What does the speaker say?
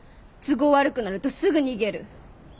都合悪くなるとすぐ逃げる。